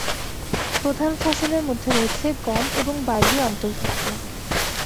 প্রধান ফসলের মধ্যে রয়েছে গম এবং বার্লি অন্তর্ভুক্ত।